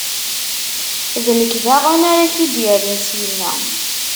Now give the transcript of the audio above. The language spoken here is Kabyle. D nekk daɣen ara k-id-irren syenna.